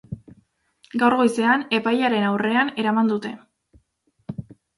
Gaur goizean epailearen aurrean eraman dute.